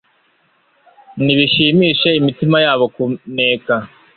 Nibishimishe imitima yabo kuneka